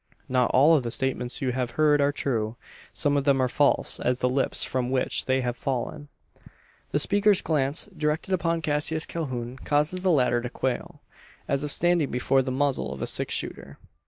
"Not all of the statements you have heard are true. Some of them are false as the lips from which they have fallen." The speaker's glance, directed upon Cassius Calhoun, causes the latter to quail, as if standing before the muzzle of a six shooter.